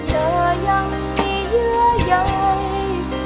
เธอยังมีเยอะใหญ่